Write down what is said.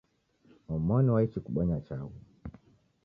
Omoni waichi kubonya chaghu.